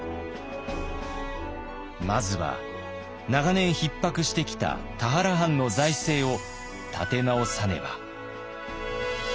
まずは長年ひっ迫してきた田原藩の財政を立て直さねば。